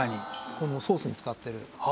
このソースに使ってる。